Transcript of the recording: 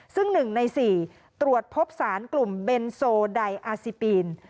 ซึ่ง๑ใน๔ตรวจพบสารกลุ่มเบนโซไดอาซิปีน